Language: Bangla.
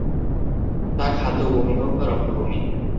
তা খাদ্য বমি হোক বা রক্ত বমি।